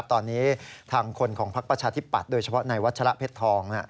ตอนนี้ทางคนของพักประชาธิปัตย์โดยเฉพาะในวัชระเพชรทอง